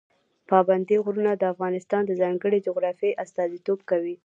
پابندي غرونه د افغانستان د ځانګړې جغرافیې استازیتوب کوي.